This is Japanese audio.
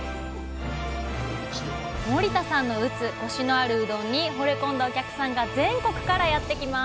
森田さんの打つコシのあるうどんにほれ込んだお客さんが全国からやって来ます